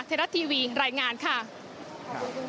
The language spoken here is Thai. เทราะเทวีรายงานค่ะขอบคุณคุณสาดูเอ๊ะเดี๋ยวก่อนนะ